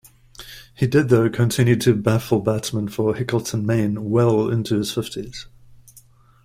He did, though, continue to baffle batsmen for Hickleton Main well into his fifties.